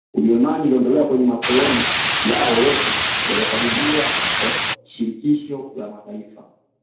Ujerumani iliondolewa kwenye makoloni yao yote yaliyokabidhiwa kwa shirikisho la mataifa